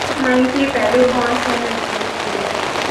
، منفی پہلو کون سے محسوس ہوئے؟